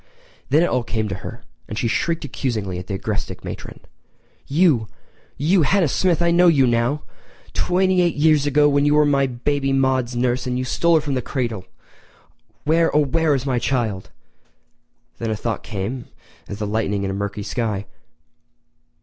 Then it all came to her, and she shrieked accusingly at the agrestic matron. "You—you—Hannah Smith—I know you now! Twenty eight years ago you were my baby Maude's nurse and stole her from the cradle!! Where, oh, where is my child?" Then a thought came as the lightning in a murky sky.